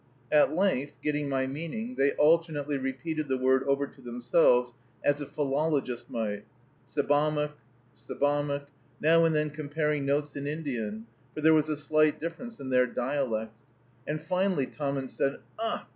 At length, getting my meaning, they alternately repeated the word over to themselves, as a philologist might, Sebamook, Sebamook, now and then comparing notes in Indian; for there was a slight difference in their dialects; and finally Tahmunt said, "Ugh!